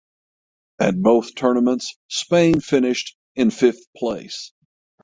At both tournaments Spain finished in fifth place.